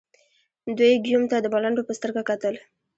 دوی ګیوم ته د ملنډو په سترګه کتل.